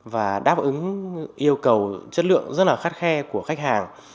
và đáp ứng yêu cầu chất lượng rất là khắt khe của khách hàng